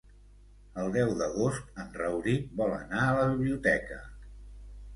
El deu d'agost en Rauric vol anar a la biblioteca.